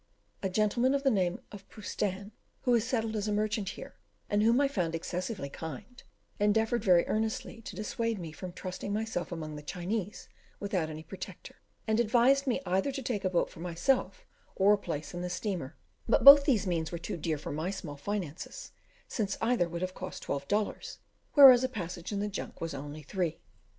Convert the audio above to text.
A gentleman of the name of Pustan, who is settled as a merchant here, and whom I found excessively kind, endeavoured very earnestly to dissuade me from trusting myself among the Chinese without any protector, and advised me either to take a boat for myself or a place in the steamer; but both these means were too dear for my small finances, since either would have cost twelve dollars, whereas a passage in the junk was only three.